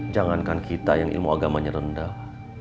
jangankan kita yang ilmu agamanya rendah